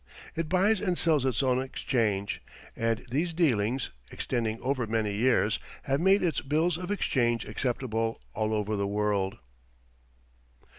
It buys and sells its own exchange; and these dealings, extending over many years, have made its bills of exchange acceptable all over the world.